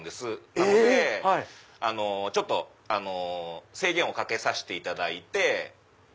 なのでちょっと制限をかけさせていただいて。